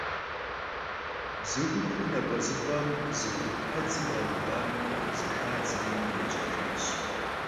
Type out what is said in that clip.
Bzu gupır nap'ezıp'em zı xugu hedzi khamığaneu zexadzri yêjejjaş.